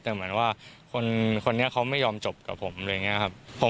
แต่เหมือนว่าคนนี้เขาไม่ยอมจบกับผมอะไรอย่างนี้ครับ